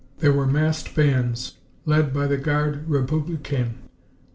There were massed bands, led by the Garde Republicaine.